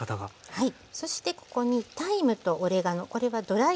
はい。